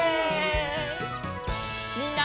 みんな。